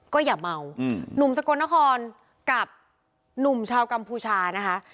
ก็อย่าเมาหนุ่มสกลนครกับหนุ่มชาวกัมพูชานะคะ